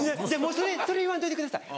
それ言わんといてください